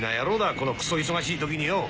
このクソ忙しい時によ。